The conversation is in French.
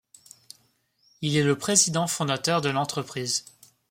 Il est le président fondateur de l'entreprise.